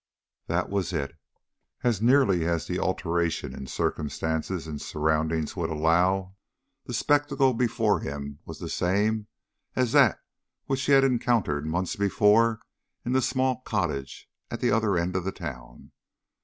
That was it. As nearly as the alteration in circumstances and surroundings would allow, the spectacle before him was the same as that which he had encountered months before in a small cottage at the other end of the town.